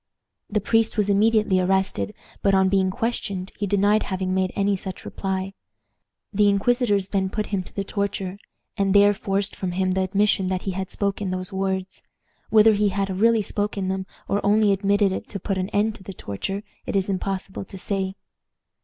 The priest was immediately arrested, but, on being questioned, he denied having made any such reply. The inquisitors then put him to the torture, and there forced from him the admission that he had spoken those words. Whether he had really spoken them, or only admitted it to put an end to the torture, it is impossible to say.